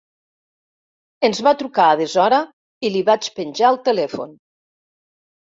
Ens va trucar a deshora i li vaig penjar el telèfon.